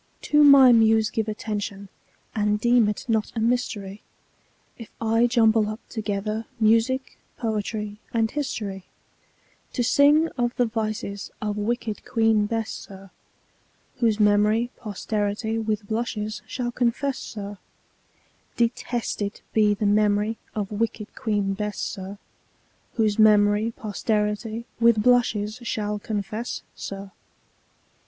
To my Muse give attention, and deem it not a mystery If I jumble up together music, poetry, and history, To sing of the vices of wicked Queen Bess, sir, Whose memory posterity with blushes shall confess, sir, Detested be the memory of wicked Queen Bess, sir, Whose memory posterity with blushes shall confess, sir.